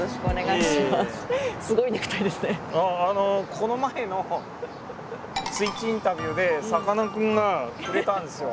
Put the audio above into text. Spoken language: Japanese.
この前の「ＳＷＩＴＣＨインタビュー」でさかなクンがくれたんですよ。